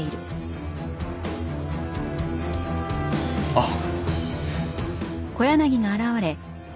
あっ。